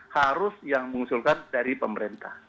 harus yang mengusulkan dari pemerintah